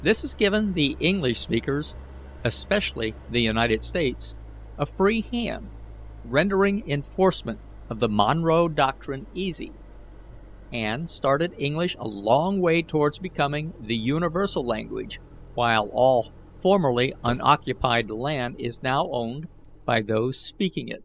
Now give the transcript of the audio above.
"This has given the English speakers, especially the United States, a free hand, rendering enforcement of the Monroe doctrine easy, and started English a long way towards becoming the universal language, while all formerly unoccupied land is now owned by those speaking it.